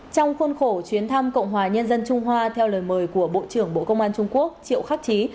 trong khuôn khổ chuyến thăm cộng hòa nhân dân trung hoa theo lời mời của bộ trưởng bộ công an trung quốc triệu khắc trí